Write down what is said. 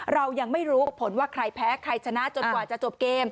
เรายังไม่รู้ผลว่าใครแพ้ใครชนะจนกว่าจะจบเกม